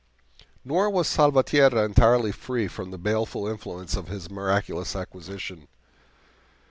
Nor was Salvatierra entirely free from the baleful influence of his miraculous acquisition.